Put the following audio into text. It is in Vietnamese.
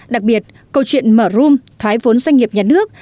đặc biệt câu chuyện mở rome thoái vốn doanh nghiệp nhà nước